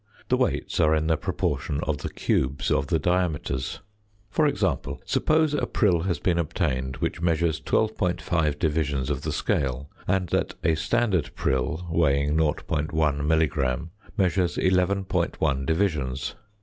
The weights are in the proportion of the cubes of the diameters. For example, suppose a prill has been obtained which measures 12.5 divisions of the scale, and that a standard prill weighing 0.1 milligram measures 11.1 divisions.